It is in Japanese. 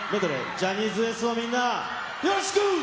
ジャニーズＷＥＳＴのみんな、よろしく。